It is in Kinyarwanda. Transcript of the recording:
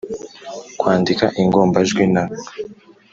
kwandika ingombajwi n,